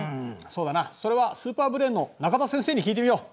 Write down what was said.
そうだなそれはスーパーブレーンの仲田先生に聞いてみよう。